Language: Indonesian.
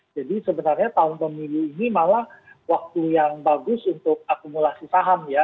jadi sebenarnya tahun pemilu ini malah waktu yang bagus untuk akumulasi saham ya